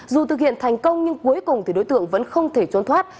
dù thực hiện thành công nhưng cuối cùng thì đối tượng vẫn không thể trốn thoát